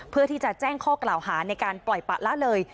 เพื่อที่จะแจ้งข้อกล่าวหาในการปล่อยปะละเลย